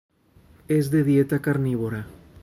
Es de dieta carnívora.